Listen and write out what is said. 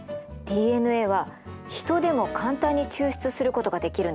ＤＮＡはヒトでも簡単に抽出することができるんですよ。